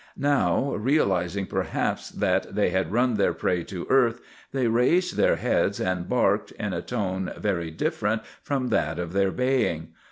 "Now, realizing perhaps that they had run their prey to earth, they raised their heads and barked, in a tone very different from that of their baying.